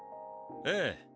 ええ。